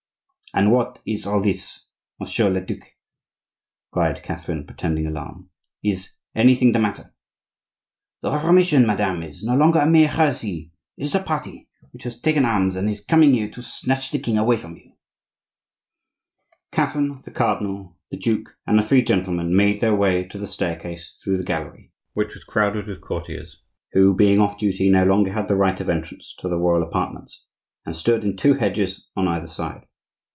"But what is all this, Monsieur le duc?" cried Catherine, pretending alarm. "Is anything the matter?" "The Reformation, madame, is no longer a mere heresy; it is a party, which has taken arms and is coming here to snatch the king away from you." Catherine, the cardinal, the duke, and the three gentlemen made their way to the staircase through the gallery, which was crowded with courtiers who, being off duty, no longer had the right of entrance to the royal apartments, and stood in two hedges on either side.